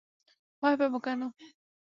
ভয় পাবো কেন?